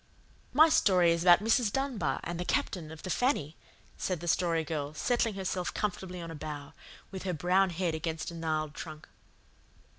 "My story is about Mrs. Dunbar and the Captain of the FANNY," said the Story Girl, settling herself comfortably on a bough, with her brown head against a gnarled trunk.